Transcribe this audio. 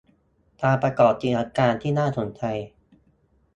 การประกอบกิจการที่น่าสนใจ